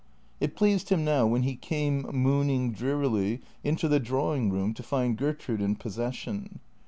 It pleased him now when he came, mooning drearily, into the drawing room, to find Gertrude in possession.